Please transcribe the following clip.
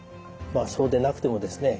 そうでなくてもですね